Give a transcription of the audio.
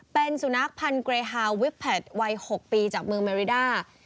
เป็นสุนัขพันเกรฮาวิบแพทวัย๖ปีจากเมืองเมริด้า